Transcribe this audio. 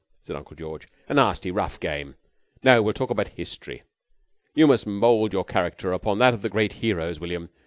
said Uncle George. "A nasty rough game. No, we'll talk about History. You must mould your character upon that of the great heroes, William.